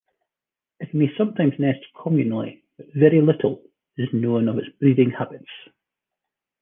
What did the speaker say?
It may sometimes nest communally, but very little is known of its breeding habits.